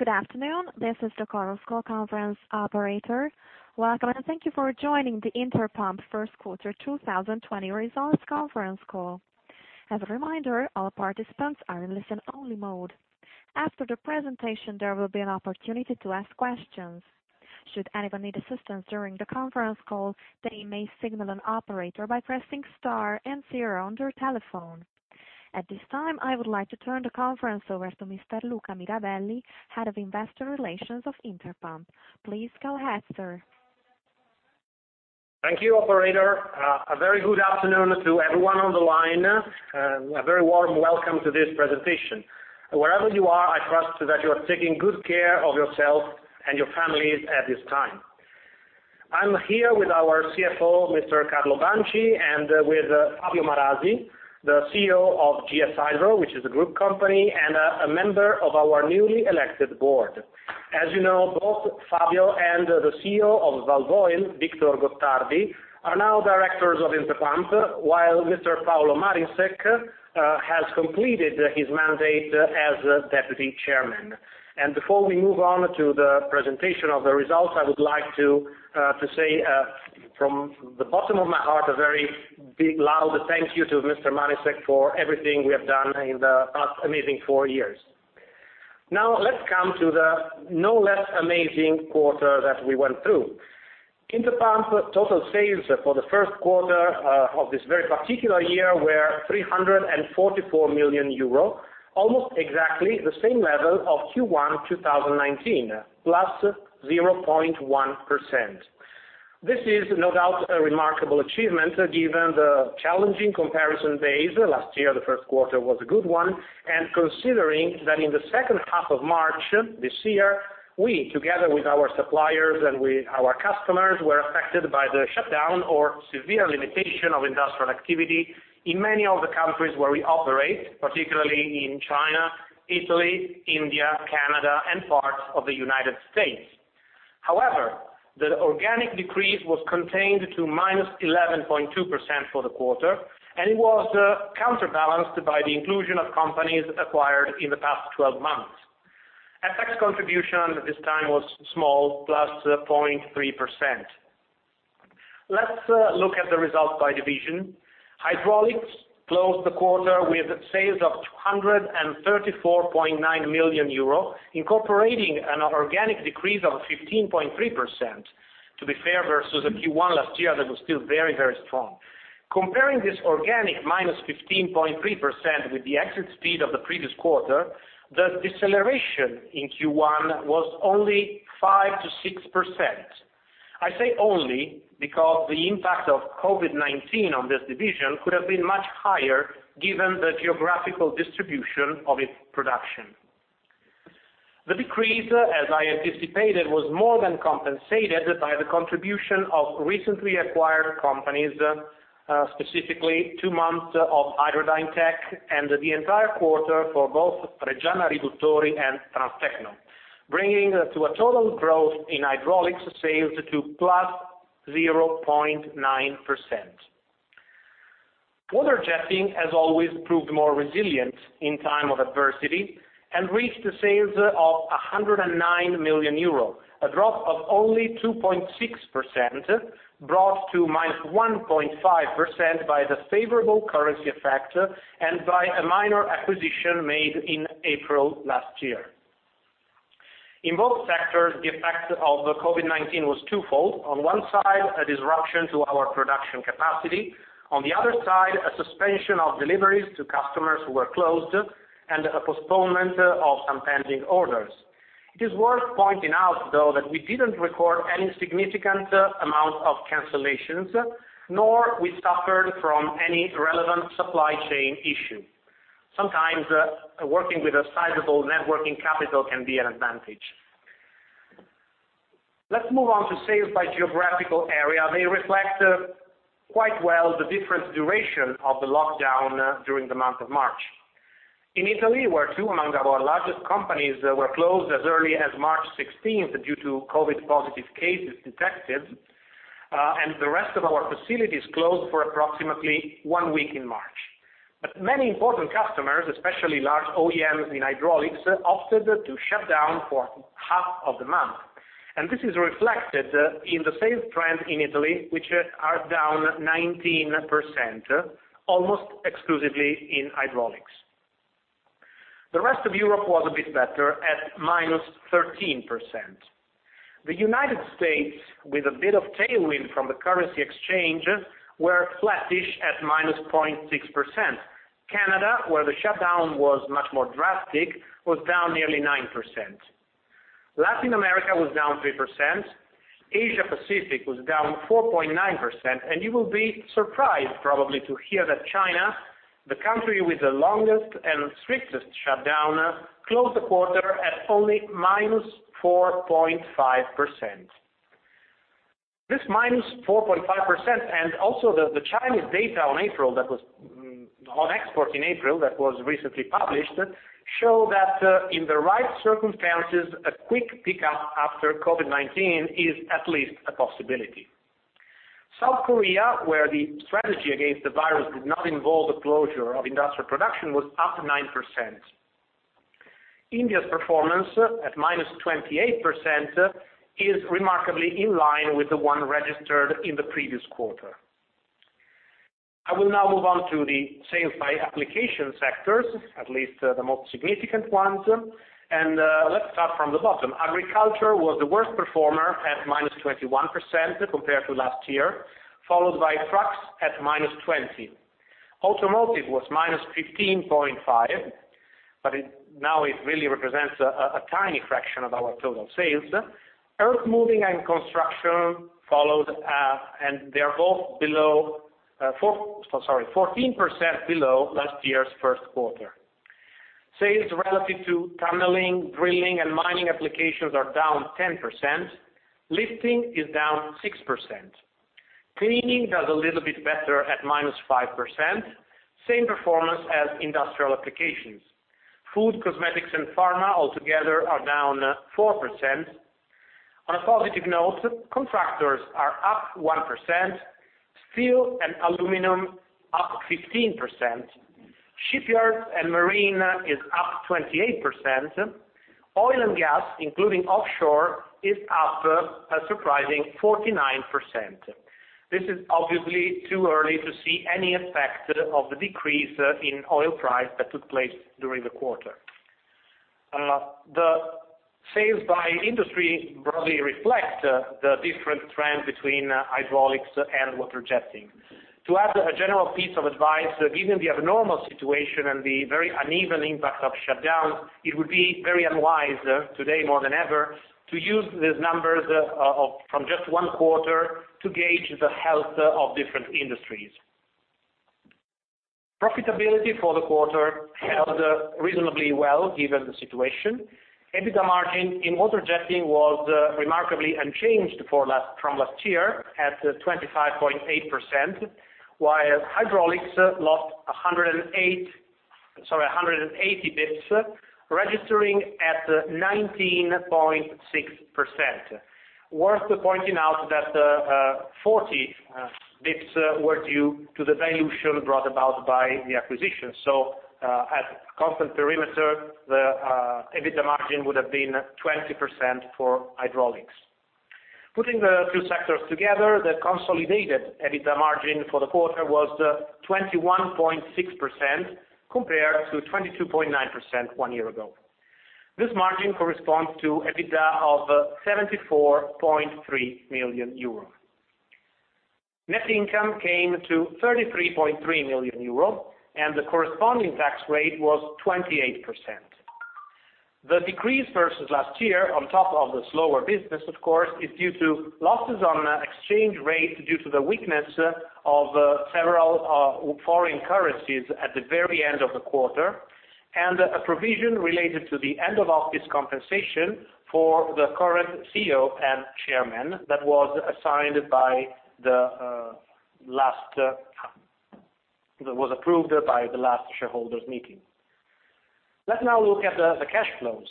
Good afternoon. This is the Chorus Call conference operator. Welcome, thank you for joining the Interpump first quarter 2020 results conference call. As a reminder, all participants are in listen-only mode. After the presentation, there will be an opportunity to ask questions. Should anyone need assistance during the conference call, they may signal an operator by pressing star and zero on their telephone. At this time, I would like to turn the conference over to Mr. Luca Mirabelli, head of investor relations of Interpump. Please go ahead, sir. Thank you, operator. A very good afternoon to everyone on the line. A very warm welcome to this presentation. Wherever you are, I trust that you are taking good care of yourself and your families at this time. I'm here with our CFO, Mr. Carlo Banci, and with Fabio Marasi, the CEO of GS-Hydro, which is a group company, and a member of our newly elected board. As you know, both Fabio and the CEO of Walvoil, Victor Gottardi, are now directors of Interpump, while Mr. Paolo Marinsek has completed his mandate as Deputy Chairman. Before we move on to the presentation of the results, I would like to say, from the bottom of my heart, a very big, loud thank you to Mr. Marinsek for everything we have done in the past amazing four years. Let's come to the no less amazing quarter that we went through. Interpump total sales for the first quarter of this very particular year were 344 million euro, almost exactly the same level of Q1 2019, plus 0.1%. This is no doubt a remarkable achievement given the challenging comparison base, last year the first quarter was a good one, and considering that in the second half of March this year, we, together with our suppliers and with our customers, were affected by the shutdown or severe limitation of industrial activity in many of the countries where we operate, particularly in China, Italy, India, Canada, and parts of the U.S. The organic decrease was contained to -11.2% for the quarter, and it was counterbalanced by the inclusion of companies acquired in the past 12 months. FX contribution this time was small, +0.3%. Let's look at the results by division. Hydraulics closed the quarter with sales of 234.9 million euro, incorporating an organic decrease of 15.3%, to be fair versus the Q1 last year that was still very, very strong. Comparing this organic -15.3% with the exit speed of the previous quarter, the deceleration in Q1 was only 5% to 6%. I say only because the impact of COVID-19 on this division could have been much higher given the geographical distribution of its production. The decrease, as I anticipated, was more than compensated by the contribution of recently acquired companies, specifically two months of Hydra Dyne Tech and the entire quarter for both Reggiana Riduttori and Transtecno, bringing to a total growth in hydraulics sales to +0.9%. Water jetting has always proved more resilient in time of adversity and reached sales of 109 million euros, a drop of only 2.6%, brought to -1.5% by the favorable currency effect and by a minor acquisition made in April last year. In both sectors, the effect of the COVID-19 was twofold. On one side, a disruption to our production capacity, on the other side, a suspension of deliveries to customers who were closed and a postponement of some pending orders. It is worth pointing out, though, that we didn't record any significant amount of cancellations, nor we suffered from any relevant supply chain issue. Sometimes, working with a sizable net working capital can be an advantage. Let's move on to sales by geographical area. They reflect quite well the different duration of the lockdown during the month of March. In Italy, where two among our largest companies were closed as early as March 16th due to COVID-19 positive cases detected, and the rest of our facilities closed for approximately one week in March. Many important customers, especially large OEMs in hydraulics, opted to shut down for half of the month. This is reflected in the sales trend in Italy, which are down 19%, almost exclusively in hydraulics. The rest of Europe was a bit better at -13%. The United States, with a bit of tailwind from the currency exchange, were flattish at -0.6%. Canada, where the shutdown was much more drastic, was down nearly 9%. Latin America was down 3%. Asia Pacific was down 4.9%, and you will be surprised probably to hear that China, the country with the longest and strictest shutdown, closed the quarter at only -4.5%. This -4.5%. Also the Chinese data on exports in April that was recently published, show that in the right circumstances, a quick pickup after COVID-19 is at least a possibility. South Korea, where the strategy against the virus did not involve the closure of industrial production, was up 9%. India's performance, at -28%, is remarkably in line with the one registered in the previous quarter. I will now move on to the sales by application sectors, at least the most significant ones. Let's start from the bottom. Agriculture was the worst performer at -21% compared to last year, followed by trucks at -20%. Automotive was -15.5%, now it really represents a tiny fraction of our total sales. Earthmoving and construction followed. They are 14% below last year's first quarter. Sales relative to tunneling, drilling, and mining applications are down 10%. Lifting is down 6%. Cleaning does a little bit better at -5%, same performance as industrial applications. Food, cosmetics, and pharma altogether are down 4%. On a positive note, contractors are up 1%, steel and aluminum up 15%, shipyards and marine is up 28%, oil and gas, including offshore, is up a surprising 49%. This is obviously too early to see any effect of the decrease in oil price that took place during the quarter. The sales by industry broadly reflect the different trends between hydraulics and water jetting. To add a general piece of advice, given the abnormal situation and the very uneven impact of shutdown, it would be very unwise, today more than ever, to use these numbers from just one quarter to gauge the health of different industries. Profitability for the quarter held reasonably well given the situation. EBITDA margin in water jetting was remarkably unchanged from last year at 25.8%, while hydraulics lost 180 basis points, registering at 19.6%. Worth pointing out that 40 basis points were due to the dilution brought about by the acquisition. At constant perimeter, the EBITDA margin would have been 20% for hydraulics. Putting the two sectors together, the consolidated EBITDA margin for the quarter was 21.6% compared to 22.9% one year ago. This margin corresponds to EBITDA of 74.3 million euros. Net income came to 33.3 million euros, the corresponding tax rate was 28%. The decrease versus last year, on top of the slower business, of course, is due to losses on exchange rate due to the weakness of several foreign currencies at the very end of the quarter, and a provision related to the end-of-office compensation for the current CEO and chairman that was approved by the last shareholders meeting. Let's now look at the cash flows.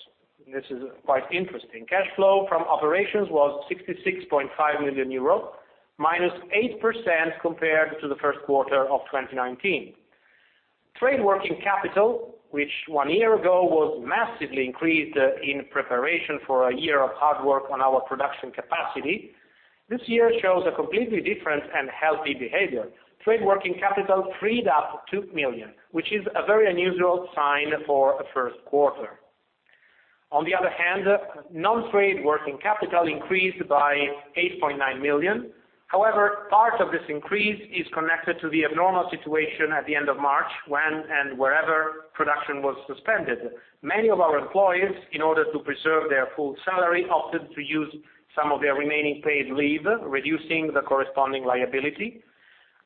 This is quite interesting. Cash flow from operations was 66.5 million euro, -8% compared to the first quarter of 2019. Trade working capital, which one year ago was massively increased in preparation for a year of hard work on our production capacity, this year shows a completely different and healthy behavior. Trade working capital freed up 2 million, which is a very unusual sign for a first quarter. On the other hand, non-trade working capital increased by 8.9 million. However, part of this increase is connected to the abnormal situation at the end of March, when and wherever production was suspended. Many of our employees, in order to preserve their full salary, opted to use some of their remaining paid leave, reducing the corresponding liability.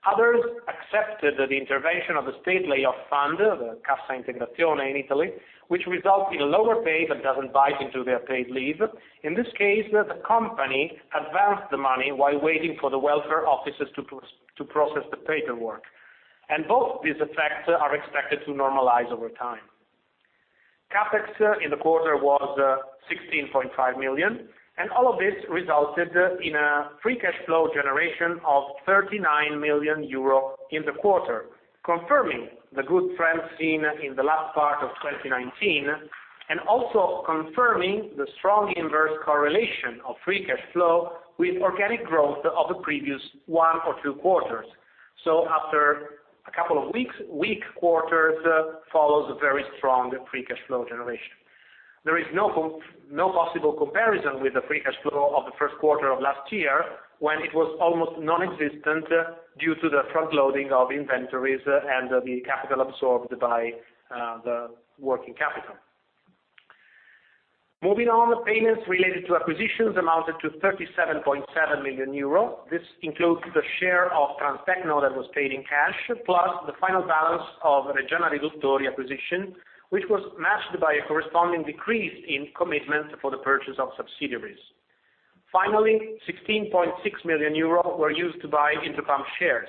Others accepted the intervention of the state layoff fund, the Cassa Integrazione in Italy, which results in lower pay that doesn't bite into their paid leave. In this case, the company advanced the money while waiting for the welfare offices to process the paperwork. Both these effects are expected to normalize over time. CapEx in the quarter was 16.5 million, and all of this resulted in a free cash flow generation of 39 million euro in the quarter, confirming the good trends seen in the last part of 2019 and also confirming the strong inverse correlation of free cash flow with organic growth of the previous one or two quarters. After a couple of weak quarters follows a very strong free cash flow generation. There is no possible comparison with the free cash flow of the first quarter of last year, when it was almost non-existent due to the front loading of inventories and the capital absorbed by the working capital. Moving on, the payments related to acquisitions amounted to 37.7 million euro. This includes the share of Transtecno that was paid in cash, plus the final balance of Reggiana Riduttori acquisition, which was matched by a corresponding decrease in commitments for the purchase of subsidiaries. Finally, 16.6 million euro were used to buy Interpump shares.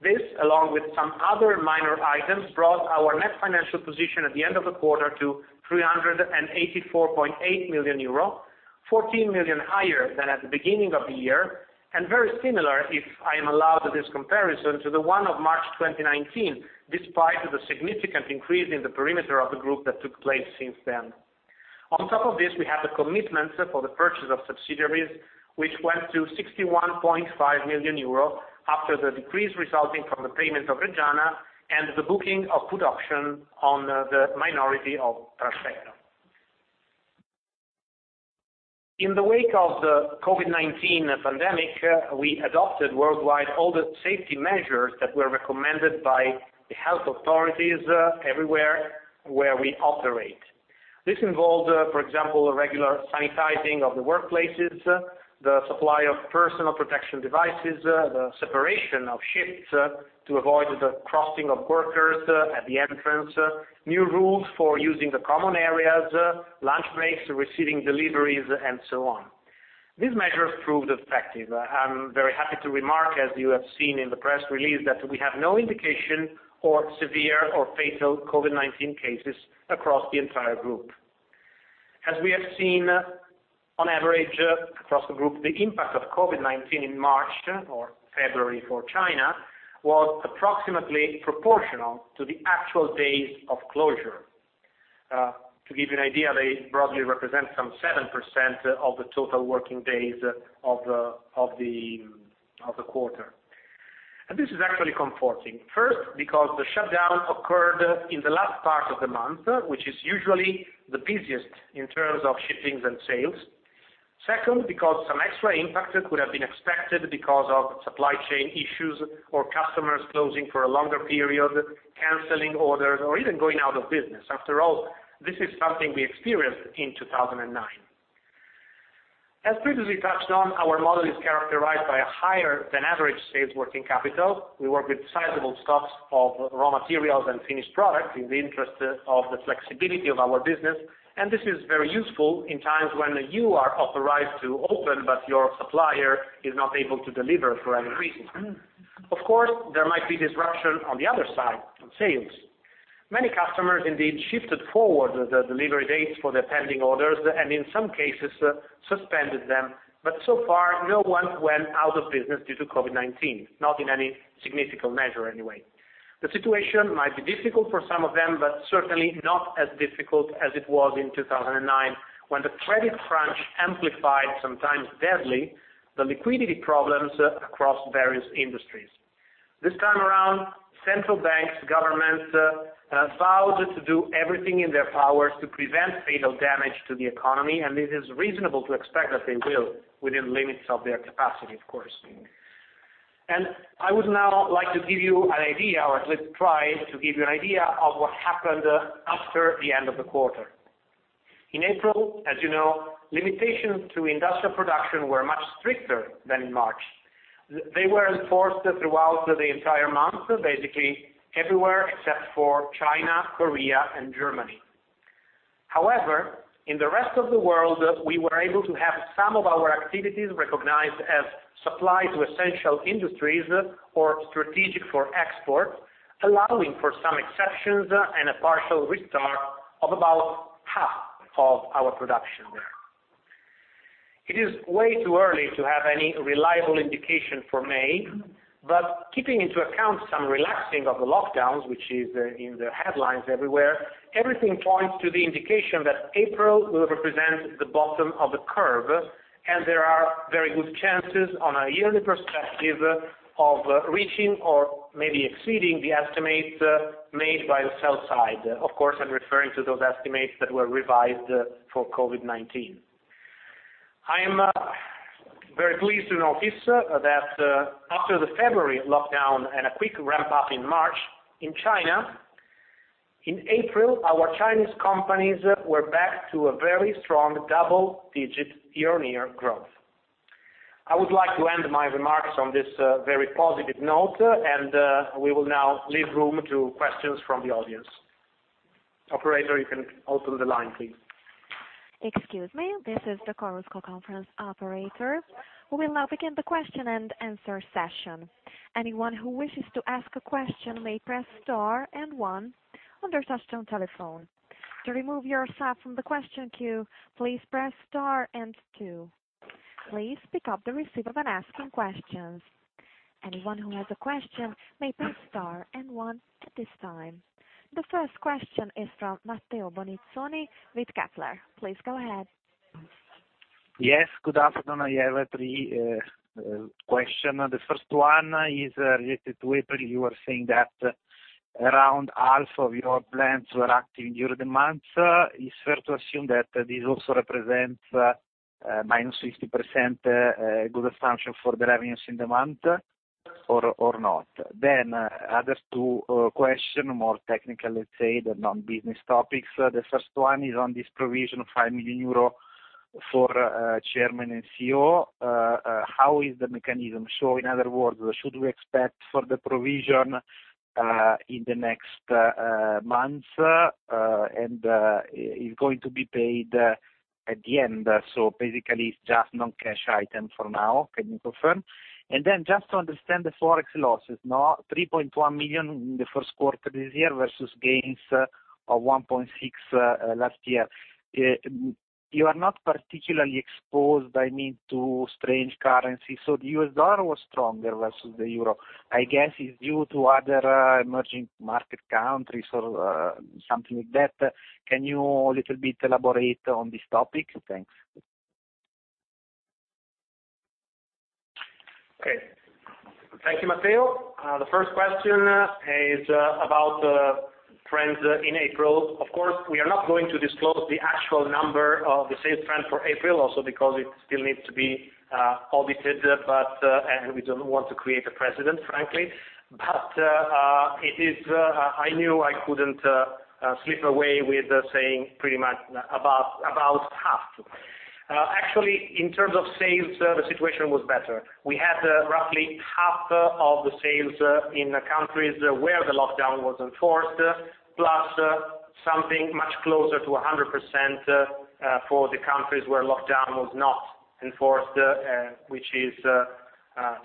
This, along with some other minor items, brought our net financial position at the end of the quarter to 384.8 million euro, 14 million higher than at the beginning of the year, and very similar, if I am allowed this comparison, to the one of March 2019, despite the significant increase in the perimeter of the Group that took place since then. On top of this, we have the commitments for the purchase of subsidiaries, which went to 61.5 million euro after the decrease resulting from the payment of Reggiana and the booking of put option on the minority of Transtecno. In the wake of the COVID-19 pandemic, we adopted worldwide all the safety measures that were recommended by the health authorities everywhere where we operate. This involved, for example, the regular sanitizing of the workplaces, the supply of personal protection devices, the separation of shifts to avoid the crossing of workers at the entrance, new rules for using the common areas, lunch breaks, receiving deliveries, and so on. These measures proved effective. I am very happy to remark, as you have seen in the press release, that we have no indication of severe or fatal COVID-19 cases across the entire group. As we have seen, on average across the group, the impact of COVID-19 in March, or February for China, was approximately proportional to the actual days of closure. To give you an idea, they broadly represent some 7% of the total working days of the quarter. This is actually comforting. First, because the shutdown occurred in the last part of the month, which is usually the busiest in terms of shippings and sales. Second, because some extra impact could have been expected because of supply chain issues or customers closing for a longer period, canceling orders, or even going out of business. After all, this is something we experienced in 2009. As previously touched on, our model is characterized by a higher than average sales working capital. We work with sizable stocks of raw materials and finished products in the interest of the flexibility of our business, and this is very useful in times when you are authorized to open, but your supplier is not able to deliver for any reason. Of course, there might be disruption on the other side, on sales. Many customers indeed shifted forward the delivery dates for the pending orders and in some cases suspended them, but so far no one went out of business due to COVID-19, not in any significant measure anyway. The situation might be difficult for some of them, but certainly not as difficult as it was in 2009, when the credit crunch amplified, sometimes deadly, the liquidity problems across various industries. This time around, central banks, governments, have vowed to do everything in their power to prevent fatal damage to the economy, and it is reasonable to expect that they will, within limits of their capacity, of course. I would now like to give you an idea, or at least try to give you an idea, of what happened after the end of the quarter. In April, as you know, limitations to industrial production were much stricter than in March. They were enforced throughout the entire month, basically everywhere except for China, Korea, and Germany. However, in the rest of the world, we were able to have some of our activities recognized as supply to essential industries or strategic for export, allowing for some exceptions and a partial restart of about half of our production there. It is way too early to have any reliable indication for May. Keeping into account some relaxing of the lockdowns, which is in the headlines everywhere, everything points to the indication that April will represent the bottom of the curve. There are very good chances on a yearly perspective of reaching or maybe exceeding the estimates made by the sell side. Of course, I'm referring to those estimates that were revised for COVID-19. I am very pleased to notice that after the February lockdown and a quick ramp-up in March in China, in April, our Chinese companies were back to a very strong double-digit year-on-year growth. I would like to end my remarks on this very positive note. We will now leave room to questions from the audience. Operator, you can open the line, please. Excuse me. This is the Chorus Call conference operator. We will now begin the question-and-answer session. Anyone who wishes to ask a question may press star and one on their touch-tone telephone. To remove yourself from the question queue, please press star and two. Please pick up the receiver when asking questions. Anyone who has a question may press star and one at this time. The first question is from Matteo Bonizzoni with Kepler. Please go ahead. Yes, good afternoon. I have three questions. The first one is related to April. You were saying that around half of your plants were active during the month. It's fair to assume that this also represents a -50% good assumption for the revenues in the month, or not? Other two questions, more technical, let's say, than on business topics. The first one is on this provision of 5 million euro for Chairman and CEO. How is the mechanism? In other words, should we expect for the provision in the next month, and is going to be paid at the end. Basically, it's just non-cash item for now. Can you confirm? Just to understand the Forex losses now, 3.1 million in the first quarter this year versus gains of 1.6 last year. You are not particularly exposed, I mean, to strange currency. The U.S. dollar was stronger versus the euro. I guess it's due to other emerging market countries or something like that. Can you a little bit elaborate on this topic? Thanks. Okay. Thank you, Matteo. The first question is about trends in April. Of course, we are not going to disclose the actual number of the sales trend for April also because it still needs to be audited, but and we don't want to create a precedent, frankly. It is I knew I couldn't slip away with saying pretty much about half. Actually, in terms of sales, the situation was better. We had roughly half of the sales in the countries where the lockdown was enforced, plus something much closer to 100% for the countries where lockdown was not enforced, which is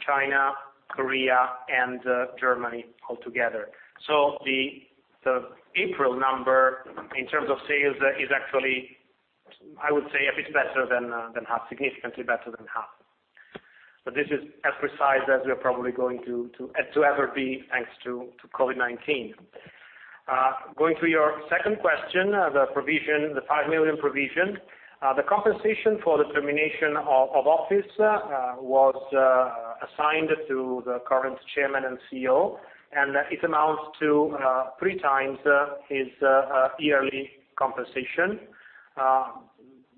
China, Korea, and Germany altogether. The April number in terms of sales is actually, I would say, a bit better than half, significantly better than half. This is as precise as we are probably going to ever be thanks to COVID-19. Going to your second question, the provision, the 5 million provision. The compensation for the termination of office was assigned to the current Chairman and CEO, and it amounts to 3x his yearly compensation.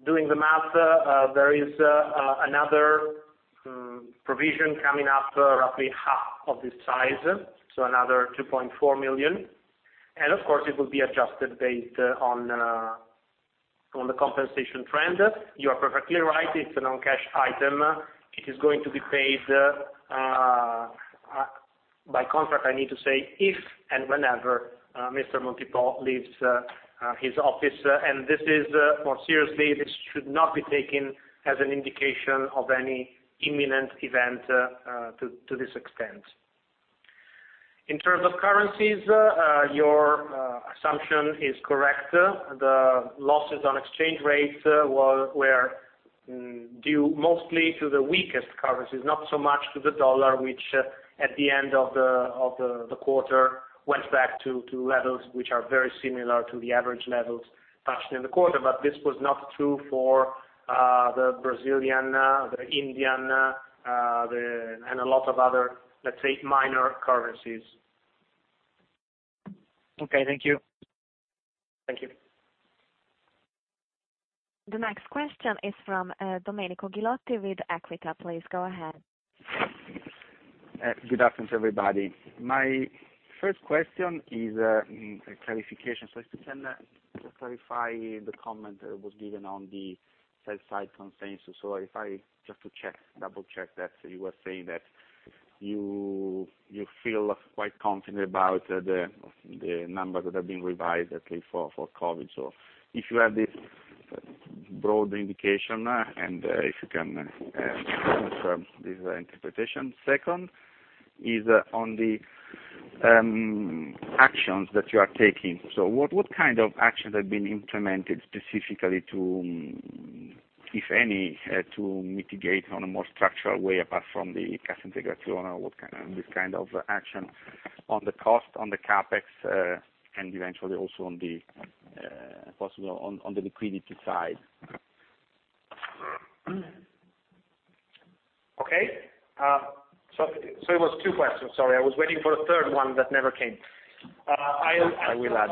Doing the math, there is another provision coming up, roughly half of this size, so another 2.4 million. Of course, it will be adjusted based on the compensation trend. You are perfectly right. It's a non-cash item. It is going to be paid by contract, I need to say, if and whenever Mr. Montipò leaves his office. This is more seriously, this should not be taken as an indication of any imminent event to this extent. In terms of currencies, your assumption is correct. The losses on exchange rates, were due mostly to the weakest currencies, not so much to the dollar, which, at the end of the quarter, went back to levels which are very similar to the average levels touched in the quarter. This was not true for the Brazilian, the Indian, and a lot of other, let's say, minor currencies. Okay. Thank you. Thank you. The next question is from Domenico Ghilotti with Equita. Please go ahead. Good afternoon, everybody. My first question is a clarification. If you can just clarify the comment that was given on the sell side consensus. If I Just to double-check that you were saying that you feel quite confident about the numbers that have been revised, at least for COVID. If you have this broad indication, and if you can confirm this interpretation. Second is on the actions that you are taking. What kind of actions have been implemented specifically to, if any, to mitigate on a more structural way apart from the Cassa Integrazione or what kind of this kind of action on the cost, on the CapEx, and eventually also on the possible on the liquidity side? Okay. It was two questions. Sorry. I was waiting for a third one that never came. I'll answer. I will add.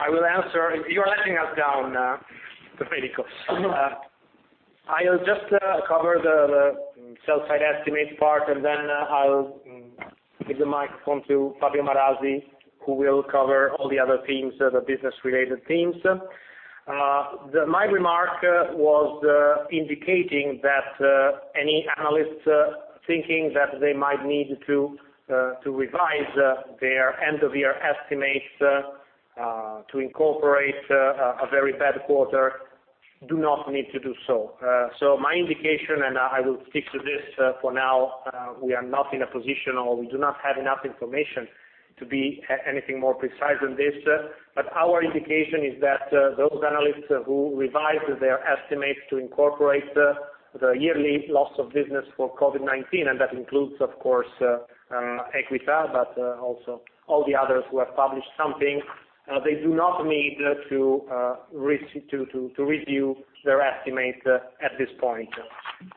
I will answer. You are letting us down, Domenico. I'll just cover the sell-side estimate part, and then I'll give the mic on to Fabio Marasi, who will cover all the other themes, the business-related themes. My remark was indicating that any analyst thinking that they might need to revise their end-of-year estimates to incorporate a very bad quarter, do not need to do so. My indication, and I will stick to this for now, we are not in a position or we do not have enough information to be anything more precise than this, but our indication is that those analysts who revised their estimates to incorporate the yearly loss of business for COVID-19, and that includes, of course, Equita, but also all the others who have published something, they do not need to review their estimate at this point.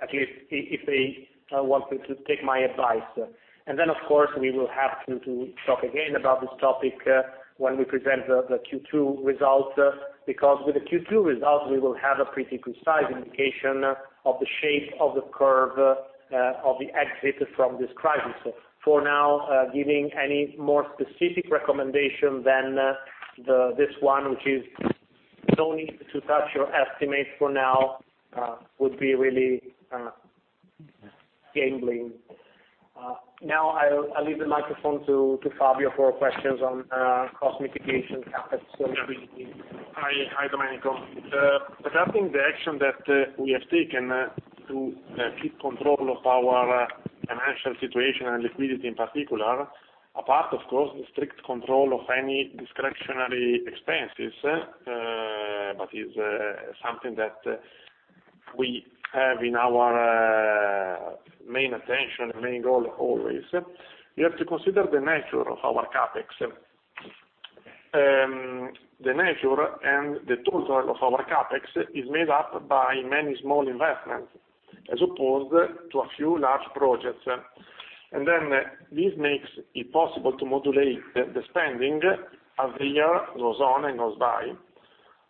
At least if they want to take my advice. Of course, we will have to talk again about this topic when we present the Q2 results, because with the Q2 results, we will have a pretty precise indication of the shape of the curve of the exit from this crisis. For now, giving any more specific recommendation than this one, which is no need to touch your estimate for now, would be really gambling. I leave the microphone to Fabio for questions on cost mitigation, CapEx. Hi, Domenico. Regarding the action that we have taken to keep control of our financial situation and liquidity in particular, apart, of course, the strict control of any discretionary expenses, but is something that we have in our main attention, main goal always, you have to consider the nature of our CapEx. The nature and the total of our CapEx is made up by many small investments, as opposed to a few large projects. This makes it possible to modulate the spending as the year goes on and goes by.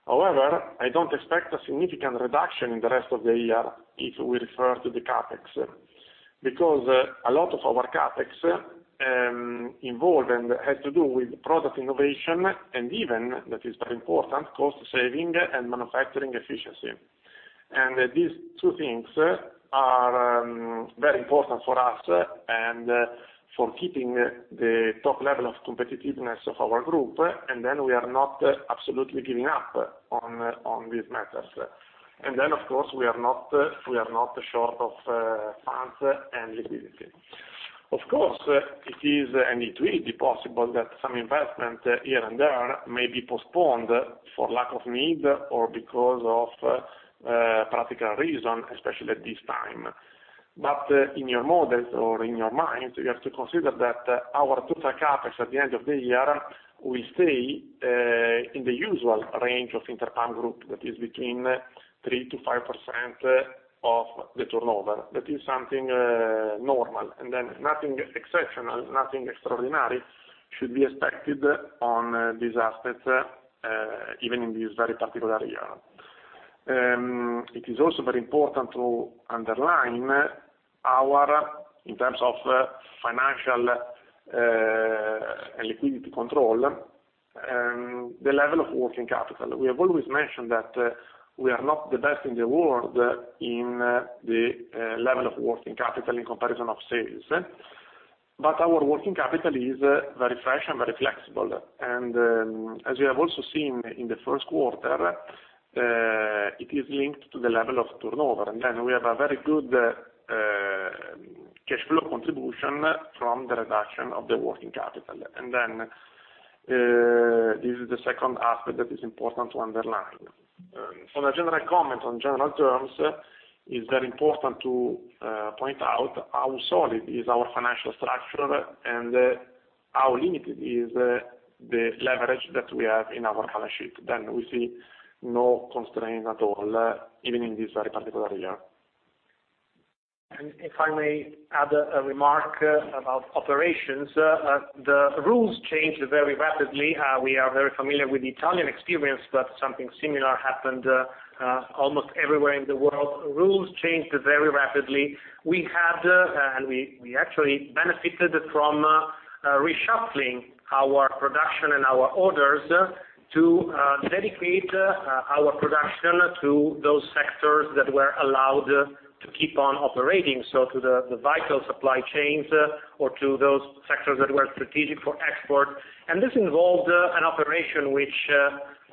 However, I don't expect a significant reduction in the rest of the year, if we refer to the CapEx. Because a lot of our CapEx involved and has to do with product innovation, and even, that is very important, cost saving and manufacturing efficiency. These two things are very important for us, and for keeping the top level of competitiveness of our group. We are not absolutely giving up on these matters. Of course, we are not short of funds and liquidity. Of course, it is and it will be possible that some investment here and there may be postponed for lack of need or because of practical reason, especially at this time. In your models or in your mind, you have to consider that our total CapEx at the end of the year will stay in the usual range of Interpump Group, that is between 3%-5% of the turnover. That is something normal. Nothing exceptional, nothing extraordinary should be expected on these aspects, even in this very particular year. It is also very important to underline our, in terms of financial and liquidity control, the level of working capital. We have always mentioned that we are not the best in the world in the level of working capital in comparison of sales. Our working capital is very fresh and very flexible. As you have also seen in the first quarter, it is linked to the level of turnover. We have a very good cash flow contribution from the reduction of the working capital. This is the second aspect that is important to underline. For the general comment on general terms, it is very important to point out how solid is our financial structure and how limited is the leverage that we have in our balance sheet. We see no constraint at all, even in this very particular year. If I may add a remark about operations. The rules changed very rapidly. We are very familiar with the Italian experience, but something similar happened almost everywhere in the world. Rules changed very rapidly. We had, and we actually benefited from reshuffling our production and our orders to dedicate our production to those sectors that were allowed to keep on operating, so to the vital supply chains or to those sectors that were strategic for export. This involved an operation which,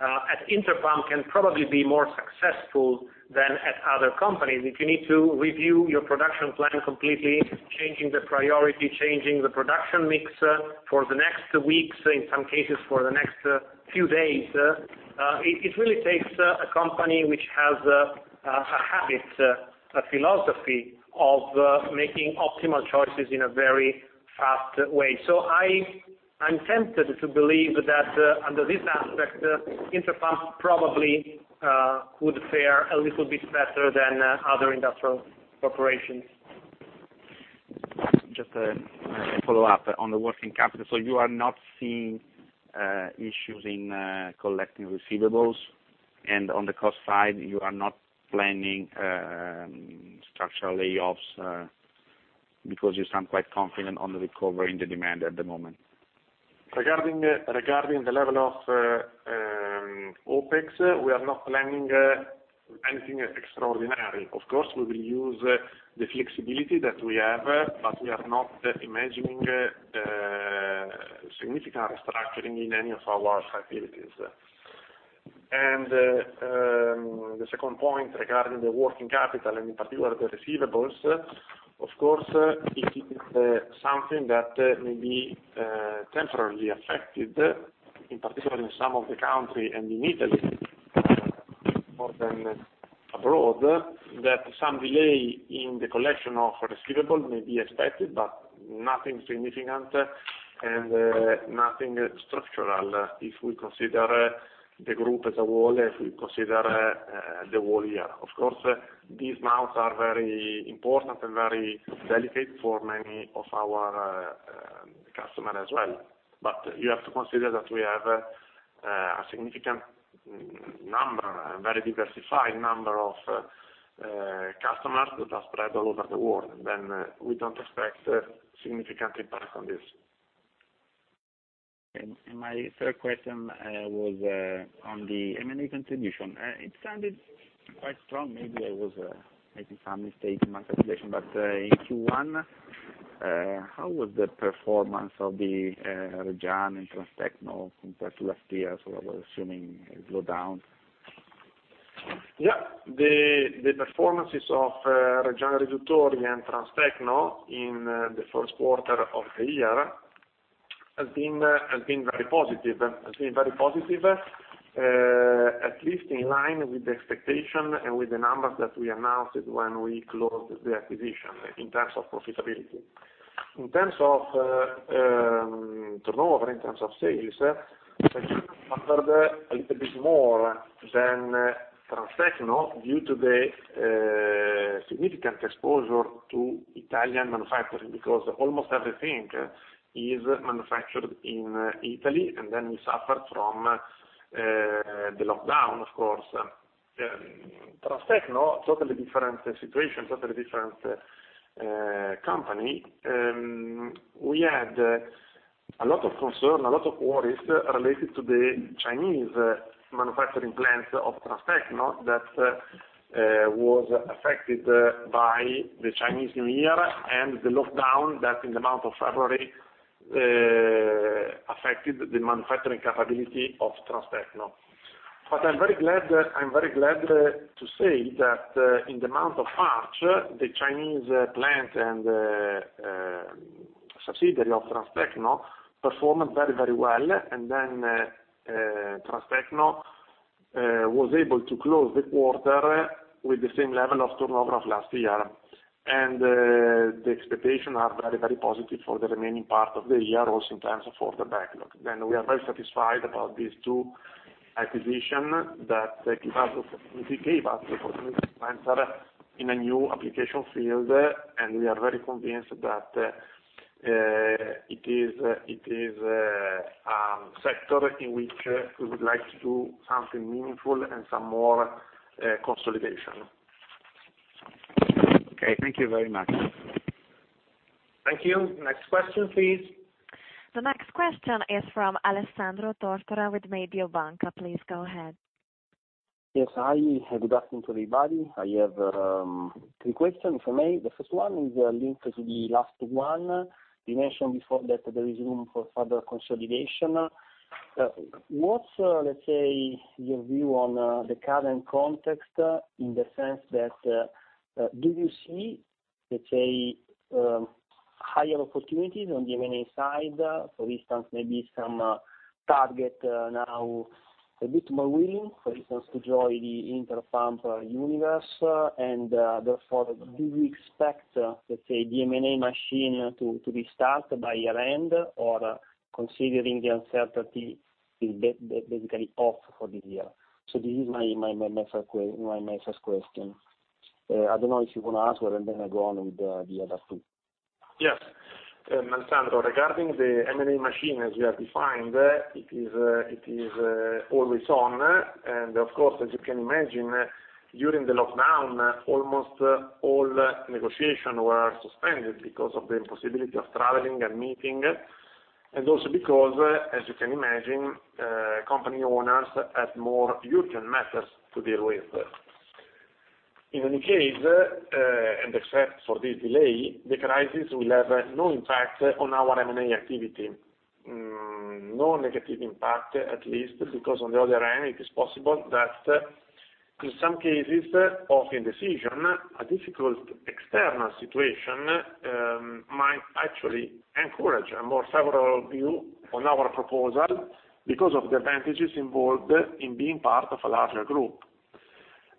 at Interpump, can probably be more successful than at other companies. If you need to review your production plan, completely changing the priority, changing the production mix for the next weeks, in some cases, for the next few days, it really takes a company which has a habit, a philosophy of making optimal choices in a very fast way. I'm tempted to believe that under this aspect, Interpump probably would fare a little bit better than other industrial corporations. Just a follow-up on the working capital. You are not seeing issues in collecting receivables, and on the cost side, you are not planning structural layoffs, because you sound quite confident on the recovery in the demand at the moment. Regarding the level of OpEx, we are not planning anything extraordinary. We will use the flexibility that we have, we are not imagining significant restructuring in any of our facilities. The second point, regarding the working capital, and in particular the receivables, of course, it is something that may be temporarily affected, in particular in some of the country and in Italy, more than abroad, that some delay in the collection of receivable may be expected, nothing significant and nothing structural, if we consider the group as a whole, if we consider the whole year. These months are very important and very delicate for many of our customer as well. You have to consider that we have a significant number, a very diversified number of customers that are spread all over the world. We don't expect significant impact on this. My third question was on the M&A contribution. It sounded quite strong. Maybe I was making some mistake in my calculation, but in Q1, how was the performance of the Reggiana and Transtecno compared to last year? I was assuming a slowdown. Yeah. The performances of Reggiana Riduttori and Transtecno in the first quarter of the year, has been very positive, at least in line with the expectation and with the numbers that we announced when we closed the acquisition, in terms of profitability. In terms of turnover, in terms of sales, Reggiana suffered a little bit more than Transtecno due to the significant exposure to Italian manufacturing, because almost everything is manufactured in Italy, and then we suffer from the lockdown, of course. Transtecno, totally different situation, totally different company. We had a lot of concern, a lot of worries related to the Chinese manufacturing plant of Transtecno, that was affected by the Chinese New Year and the lockdown that in the month of February, affected the manufacturing capability of Transtecno. I'm very glad to say that in the month of March, the Chinese plant and the subsidiary of Transtecno performed very well. Transtecno was able to close the quarter with the same level of turnover of last year. The expectation are very positive for the remaining part of the year, also in terms of order backlog. We are very satisfied about these two acquisition, that it gave us the opportunity to enter in a new application field. We are very convinced that it is a sector in which we would like to do something meaningful and some more consolidation. Okay. Thank you very much. Thank you. Next question, please. The next question is from Alessandro Tortora with Mediobanca. Please go ahead. Yes, hi. Good afternoon, everybody. I have three questions, if I may. The first one is linked to the last one. You mentioned before that there is room for further consolidation. What's, let's say, your view on the current context, in the sense that, do you see, let's say, higher opportunities on the M&A side? For instance, maybe some target now a bit more willing, for instance, to join the Interpump universe, and, therefore, do you expect, let's say, the M&A machine to be started by year-end? Considering the uncertainty, is basically off for this year? This is my first question. I don't know if you want to answer and then I go on with the other two. Yes. Alessandro, regarding the M&A machine, as we have defined, it is always on. Of course, as you can imagine, during the lockdown, almost all negotiations were suspended because of the impossibility of traveling and meeting, and also because, as you can imagine, company owners had more urgent matters to deal with. In any case, and except for this delay, the crisis will have no impact on our M&A activity. No negative impact, at least, because on the other hand, it is possible that in some cases of indecision, a difficult external situation might actually encourage a more favorable view on our proposal because of the advantages involved in being part of a larger group.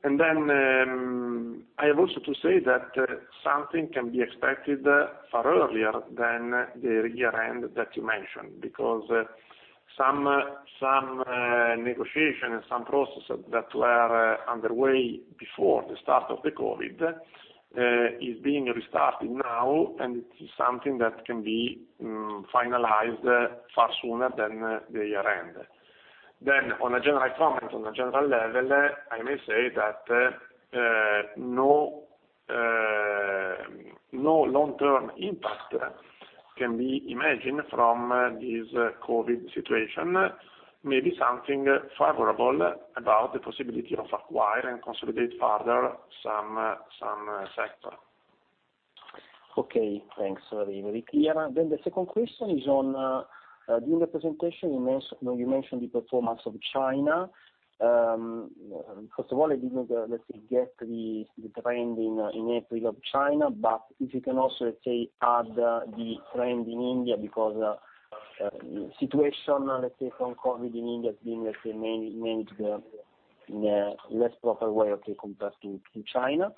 I have also to say that something can be expected far earlier than the year-end that you mentioned, because some negotiation and some processes that were underway before the start of the COVID-19, is being restarted now, and it is something that can be finalized far sooner than the year-end. I may say that no long-term impact can be imagined from this COVID-19 situation. Maybe something favorable about the possibility of acquire and consolidate further some sector. Okay, thanks. Very clear. The second question is on, during the presentation, you mentioned the performance of China. First of all, I didn't, let's say, get the trend in April of China, but if you can also, let's say, add the trend in India, because situation, let's say, from COVID in India is being, let's say, managed in a less proper way, compared to China.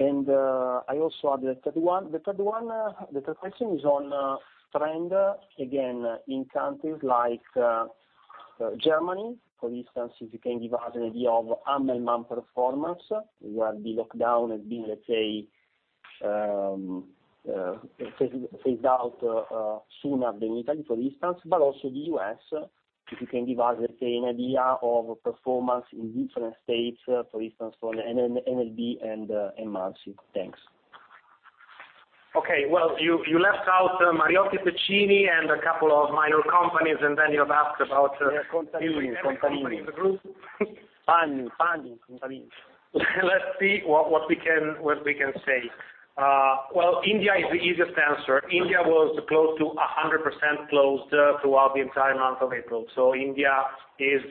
I also add the third one. The third question is on trend, again, in countries like Germany, for instance, if you can give us an idea of Hammelmann performance, where the lockdown has been, let's say, phased out sooner than Italy, for instance, but also the U.S. If you can give us, let's say, an idea of performance in different states, for instance, from NLB and Hammelmann. Thanks. Okay, well, you left out Mariotti & Pecini and a couple of minor companies. Yeah, companies. Let's see what we can say. Well, India is the easiest answer. India was close to 100% closed throughout the entire month of April. India is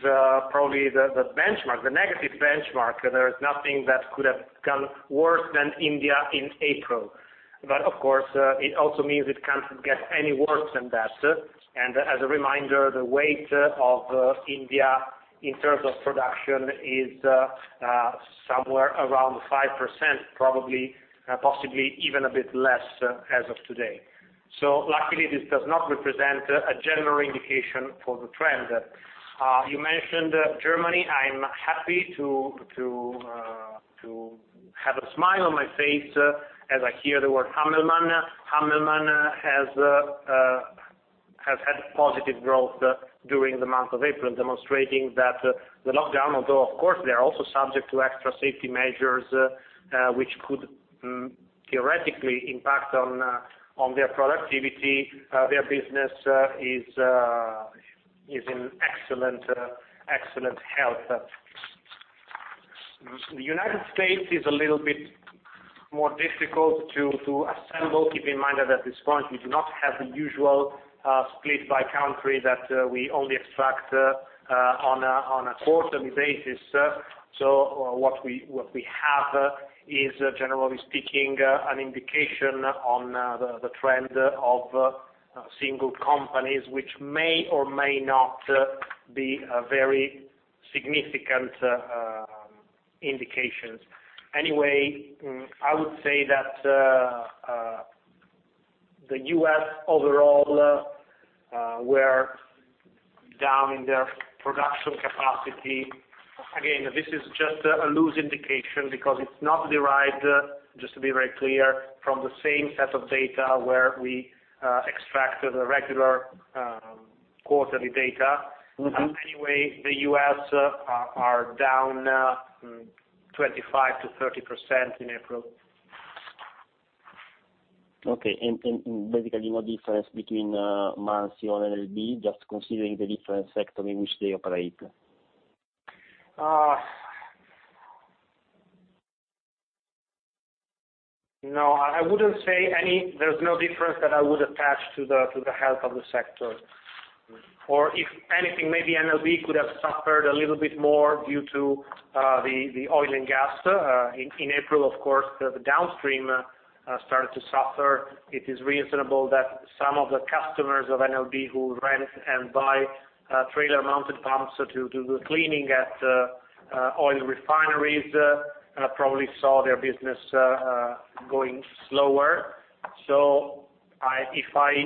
probably the benchmark, the negative benchmark. There is nothing that could have gone worse than India in April. Of course, it also means it can't get any worse than that. As a reminder, the weight of India in terms of production is somewhere around 5%, possibly even a bit less as of today. Luckily, this does not represent a general indication for the trend. You mentioned Germany. I'm happy to have a smile on my face as I hear the word Hammelmann. Hammelmann has had positive growth during the month of April, demonstrating that the lockdown, although of course, they are also subject to extra safety measures, which could theoretically impact on their productivity, their business is in excellent health. The United States is a little bit more difficult to assemble. Keep in mind that at this point, we do not have the usual split by country, that we only extract on a quarterly basis. What we have is, generally speaking, an indication on the trend of single companies, which may or may not be a very significant indication. Anyway, I would say that the U.S. overall were down in their production capacity. Again, this is just a loose indication because it's not derived, just to be very clear, from the same set of data where we extract the regular quarterly data. The U.S. are down 25%-30% in April. Okay, basically no difference between Muncie and NLB, just considering the different sector in which they operate? No, I wouldn't say any. There's no difference that I would attach to the health of the sector. If anything, maybe NLB could have suffered a little bit more due to the oil and gas. In April, of course, the downstream started to suffer. It is reasonable that some of the customers of NLB who rent and buy trailer-mounted pumps to do the cleaning at oil refineries, probably saw their business going slower. If I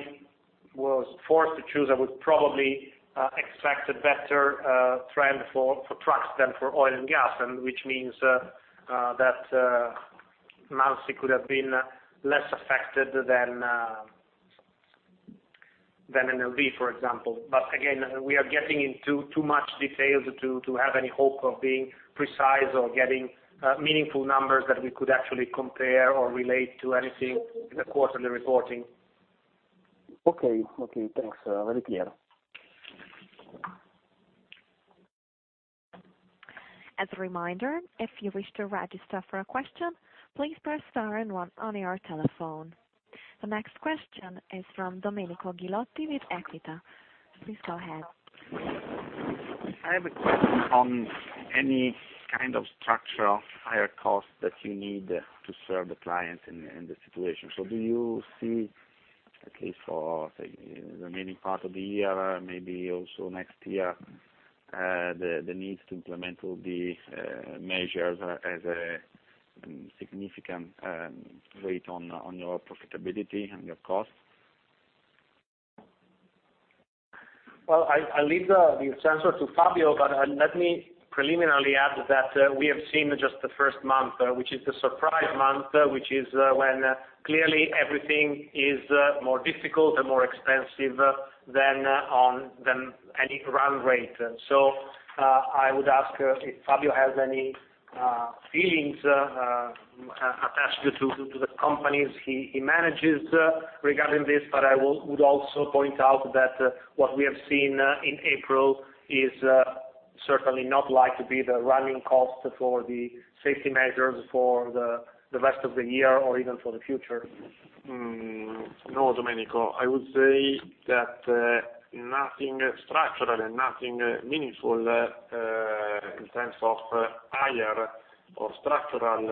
was forced to choose, I would probably expect a better trend for trucks than for oil and gas, and which means that Muncie could have been less affected than NLB, for example. Again, we are getting into too much details to have any hope of being precise or getting meaningful numbers that we could actually compare or relate to anything in the quarterly reporting. Okay. Thanks. Very clear. As a reminder, if you wish to register for a question, please press star and one on your telephone. The next question is from Domenico Ghilotti with Equita. Please go ahead. I have a question on any kind of structural higher cost that you need to serve the clients in the situation. Do you see, at least for, say, the remaining part of the year, maybe also next year, the needs to implement all the measures as a significant weight on your profitability and your cost? Well, I leave the answer to Fabio, but let me preliminarily add that we have seen just the first month, which is the surprise month, which is when clearly everything is more difficult and more expensive than any run rate. I would ask if Fabio has any feelings attached to the companies he manages regarding this, but I would also point out that what we have seen in April is certainly not like to be the running cost for the safety measures for the rest of the year or even for the future. No, Domenico, I would say that nothing structural and nothing meaningful in terms of higher or structural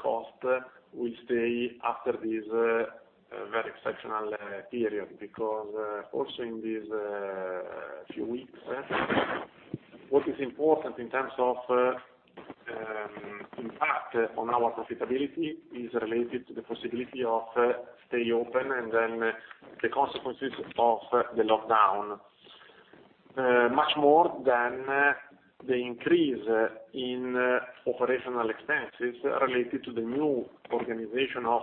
cost will stay after this very exceptional period, because also in these few weeks, what is important in terms of impact on our profitability is related to the possibility of stay open and then the consequences of the lockdown, much more than the increase in operational expenses related to the new organization of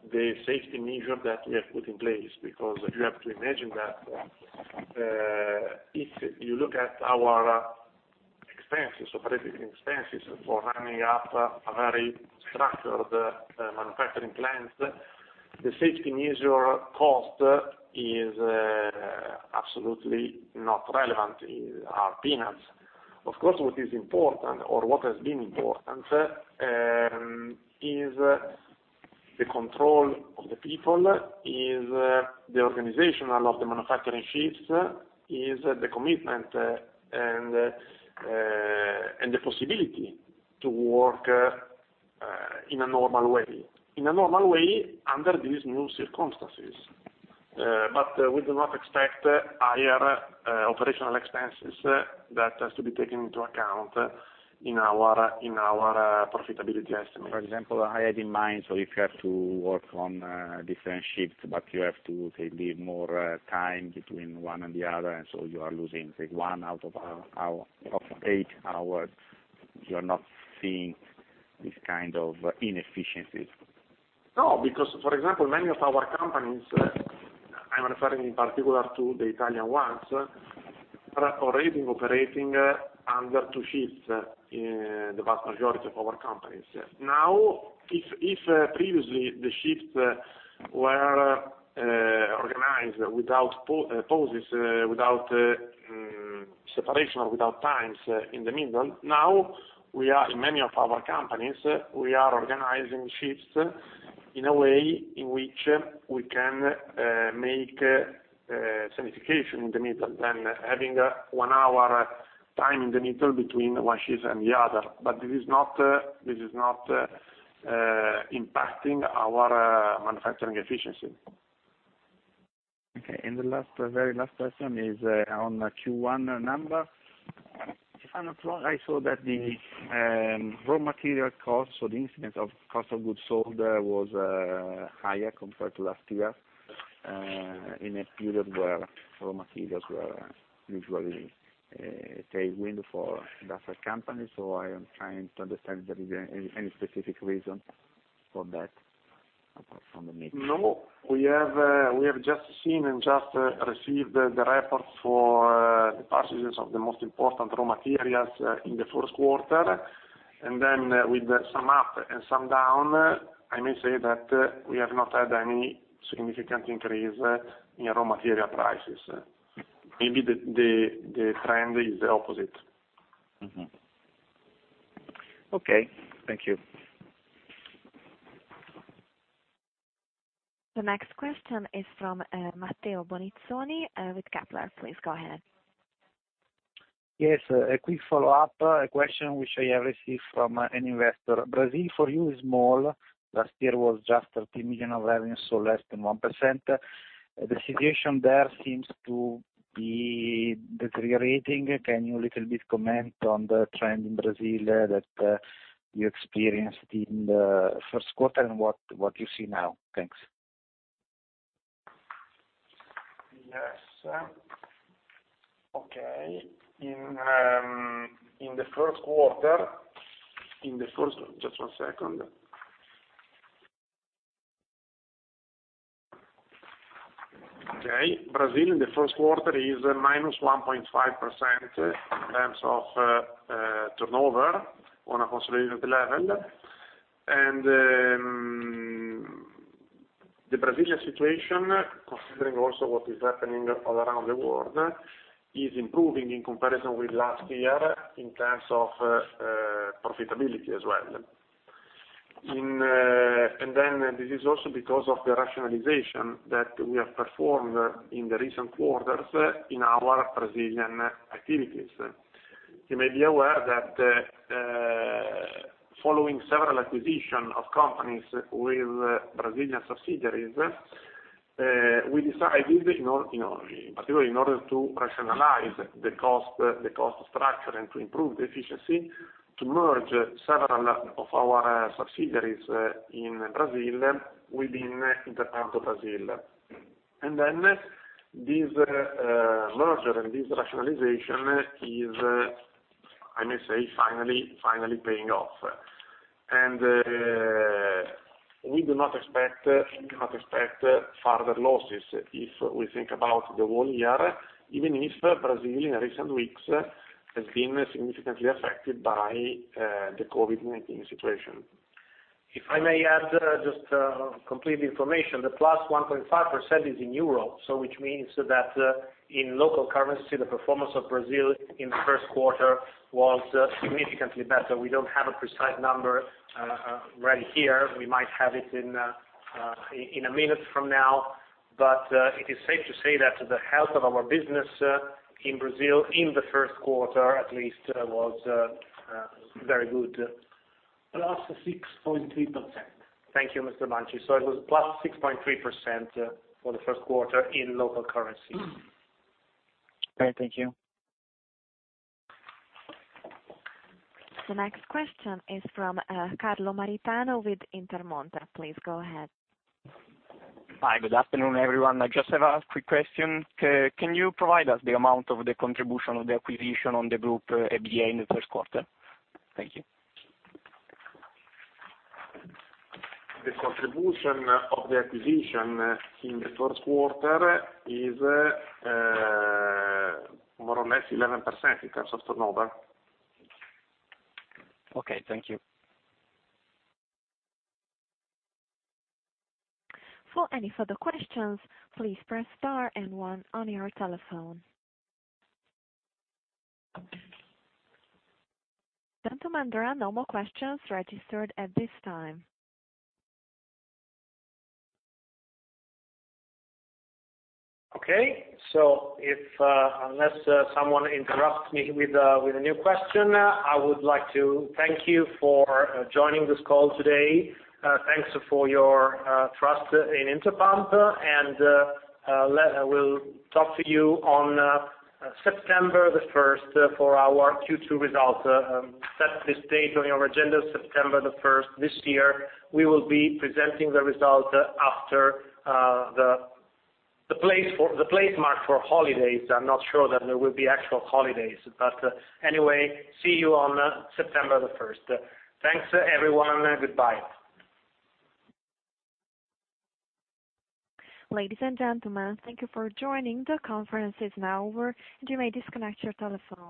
the production shift. The safety measure that we have put in place, because you have to imagine that, if you look at our operating expenses for running up a very structured manufacturing plant, the safety measure cost is absolutely not relevant, are peanuts. Of course, what is important, or what has been important, is the control of the people, is the organization of the manufacturing shifts, is the commitment and the possibility to work in a normal way. In a normal way under these new circumstances. We do not expect higher operational expenses that has to be taken into account in our profitability estimate. For example, I had in mind, if you have to work on different shifts, but you have to, say, leave more time between one and the other, you are losing, say, one out of eight hours, you're not seeing these kind of inefficiencies? No, because, for example, many of our companies, I'm referring in particular to the Italian ones, are already operating under two shifts, the vast majority of our companies. Now, if previously the shifts were organized without pauses, without separation, or without times in the middle, now in many of our companies, we are organizing shifts in a way in which we can make sanitization in the middle. Having one hour time in the middle between one shift and the other. This is not impacting our manufacturing efficiency. Okay, the very last question is on Q1 number. If I'm not wrong, I saw that the raw material cost or the incidence of cost of goods sold was higher compared to last year, in a period where raw materials were usually a tailwind for different companies. I am trying to understand if there is any specific reason for that, apart from the mix. No. We have just seen and just received the report for the purchases of the most important raw materials in the first quarter. With some up and some down, I may say that we have not had any significant increase in raw material prices. Maybe the trend is the opposite. Mm-hmm. Okay. Thank you. The next question is from Matteo Bonizzoni with Kepler. Please go ahead. Yes, a quick follow-up, a question which I have received from an investor. Brazil for you is small. Last year was just 13 million of revenue, so less than 1%. The situation there seems to be deteriorating. Can you little bit comment on the trend in Brazil that you experienced in the first quarter and what you see now? Thanks. Yes. Okay. Just one second. Okay. Brazil in the first quarter is a -1.5% in terms of turnover on a consolidated level. The Brazilian situation, considering also what is happening all around the world, is improving in comparison with last year in terms of profitability as well. This is also because of the rationalization that we have performed in the recent quarters in our Brazilian activities. You may be aware that following several acquisition of companies with Brazilian subsidiaries, we decided, in particular, in order to rationalize the cost structure and to improve the efficiency, to merge several of our subsidiaries in Brazil within Interpump Brazil. This merger and this rationalization is, I may say, finally paying off. We do not expect further losses if we think about the whole year, even if Brazil in recent weeks has been significantly affected by the COVID-19 situation. If I may add, just complete the information, the +1.5% is in EUR. Which means that in local currency, the performance of Brazil in the first quarter was significantly better. We don't have a precise number ready here. We might have it in one minute from now. It is safe to say that the health of our business in Brazil in the first quarter, at least, was very good. +6.3%. Thank you, Mr. Banci. It was +6.3% for the first quarter in local currency. Okay, thank you. The next question is from Carlo Maritano with Intermonte. Please go ahead. Hi. Good afternoon, everyone. I just have a quick question. Can you provide us the amount of the contribution of the acquisition on the group EBITDA in the first quarter? Thank you. The contribution of the acquisition in the first quarter is more or less 11% in terms of turnover. Okay, thank you. For any further questions, please press star and one on your telephone. Gentlemen, there are no more questions registered at this time. Okay, unless someone interrupts me with a new question, I would like to thank you for joining this call today. Thanks for your trust in Interpump, and we'll talk to you on September 1st for our Q2 results. Set this date on your agenda, September 1st this year. We will be presenting the results after the place marked for holidays. I'm not sure that there will be actual holidays, but anyway, see you on September 1st. Thanks, everyone. Goodbye. Ladies and gentlemen, thank you for joining. The conference is now over, and you may disconnect your telephones.